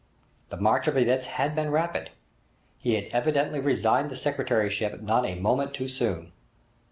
The march of events had been rapid. He had evidently resigned the secretaryship not a moment too soon!